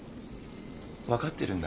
分かってるんだ。